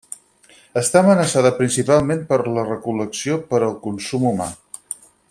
Està amenaçada principalment per la recol·lecció per al consum humà.